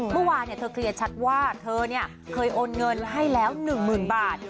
เมื่อวานเธอเคลียร์ชัดว่าเธอเคยโอนเงินให้แล้ว๑๐๐๐บาท